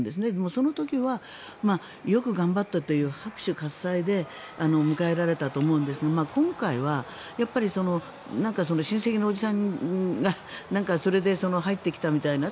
その時はよく頑張ったという拍手喝采で迎えられたと思うんですが今回は、親戚のおじさんがそれで入ってきたみたいな。